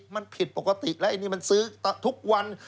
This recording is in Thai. มันผิดปกติแล้วไอ้นี่มันซื้อทุกวัน